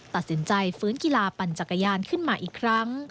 ตัดสินใจฟื้นกีฬาปั่นจักรยานขึ้นมาอีกครั้ง